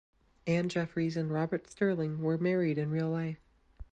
Anne Jeffreys and Robert Sterling were married in real life.